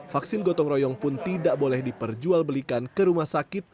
vaksin gotong royong pun tidak boleh diperjualbelikan ke rumah sakit